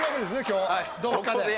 今日どっかで。